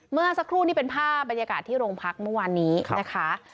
เมื่อสักครู่นี่เป็นภาพบรรยากาศที่โรงพักเมื่อวานนี้นะคะ